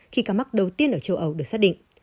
khi ca mắc đầu tiên ở châu âu được xác định